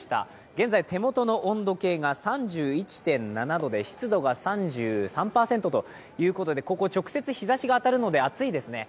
現在手元の温度計が３１．７度で湿度が３３％ということでここ直接日ざしが当たるので暑いですね。